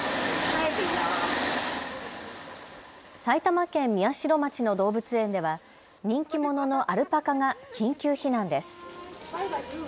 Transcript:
埼玉県宮代町の動物園では人気者のアルパカが緊急避難です。